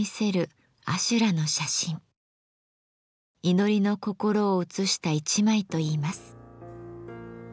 「祈りの心」を写した１枚といいます。